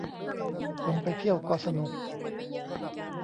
คนไปเที่ยวก็สนุก